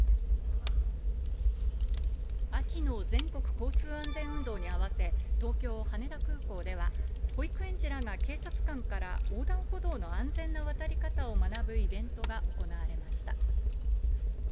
秋の全国交通安全運動に合わせ、東京・羽田空港では、保育園児らが警察官から横断歩道の安全な渡り方を学ぶイベントが行われました。